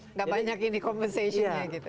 enggak banyak ini compensation nya gitu